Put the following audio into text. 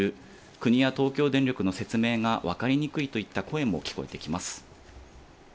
国や東京電力の説明が分かりにくいといった声も聞こえてきます。